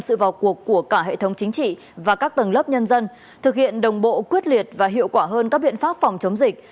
sự vào cuộc của cả hệ thống chính trị và các tầng lớp nhân dân thực hiện đồng bộ quyết liệt và hiệu quả hơn các biện pháp phòng chống dịch